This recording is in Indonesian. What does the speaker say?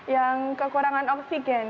yang kekurangan oksigen